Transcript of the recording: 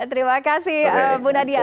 terima kasih bu nadia